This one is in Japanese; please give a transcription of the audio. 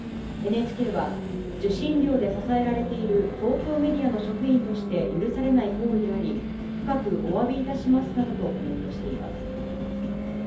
ＮＨＫは、受信料で支えられている公共メディアの職員として許されない行為であり、深くおわびいたしますなどとコメントしています。